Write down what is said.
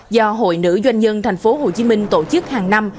do hội nữ doanh nhân tp hcm tổ chức hàng năm